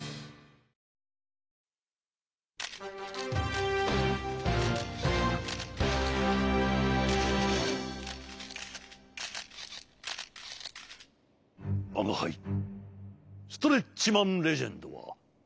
わがはいストレッチマン・レジェンドはほんじつ。